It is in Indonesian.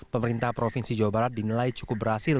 pemerintah provinsi jawa barat dinilai cukup berhasil